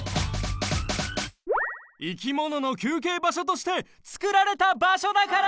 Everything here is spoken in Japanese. いきものの休憩場所としてつくられた場所だから！